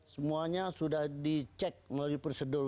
semuanya sudah dicek melalui prosedur